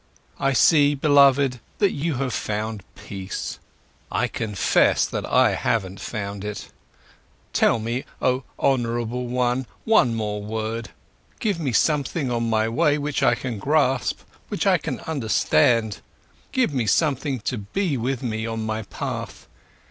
I see, beloved, that you have found peace. I confess that I haven't found it. Tell me, oh honourable one, one more word, give me something on my way which I can grasp, which I can understand! Give me something to be with me on my path.